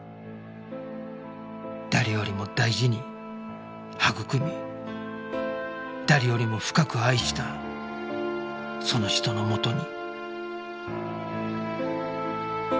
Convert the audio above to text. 誰よりも大事に育み誰よりも深く愛したその人のもとに